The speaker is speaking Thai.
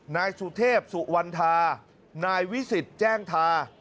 นายสุเทพสุวรรณธานายวิสิทธิ์แจ้งทา